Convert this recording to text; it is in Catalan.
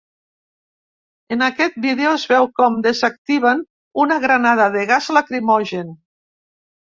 En aquest vídeo es veu com desactiven una granada de gas lacrimogen.